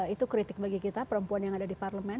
itu kritik bagi kita perempuan yang ada di parlemen